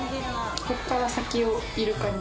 ここから先をイルカに。